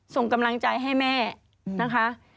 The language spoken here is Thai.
ส่งกำลังใจให้แม่นะคะ